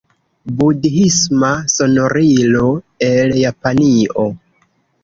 Budhisma sonorilo el Japanio.